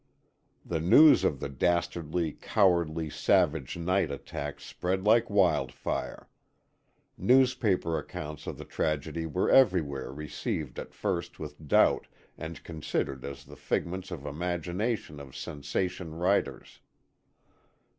The news of the dastardly, cowardly, savage night attack spread like wildfire. Newspaper accounts of the tragedy were everywhere received at first with doubt and considered as the figments of imagination of sensation writers.